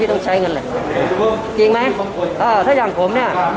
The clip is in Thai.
พี่ต้องใช้เงินเลยจริงไหมอ่าถ้าอย่างผมเนี้ย